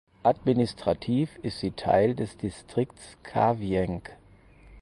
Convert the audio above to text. Administrativ ist sie Teil des Distrikts Kavieng.